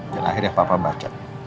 dan akhirnya papa baca